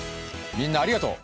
みんなありがとう！